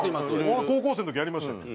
俺高校生の時やりましたよ。